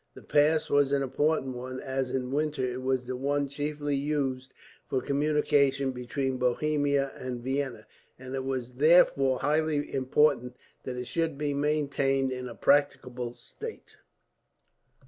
The pass was an important one, as in winter it was the one chiefly used for communication between Bohemia and Vienna; and it was therefore highly important that it should be maintained in a practicable state.